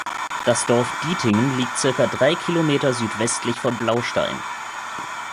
Das Dorf Dietingen liegt circa drei Kilometer südwestlich von Blaustein.